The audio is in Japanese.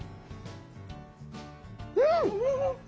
うん！